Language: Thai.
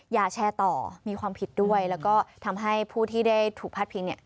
อย่าแชร์ต่อมีความผิดด้วยแล้วก็ทำให้ผู้ที่ได้ถูกพาดพิงเนี่ย